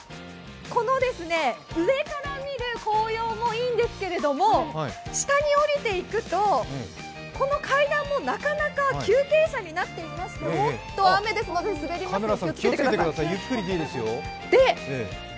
この上から見る紅葉もいいんですけれども下におりていくとこの階段もなかなか急傾斜になっていまして、おっと雨ですので滑ります、カメラさん気をつけてください。